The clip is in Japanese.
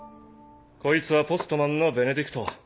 こいつはポストマンのベネディクト。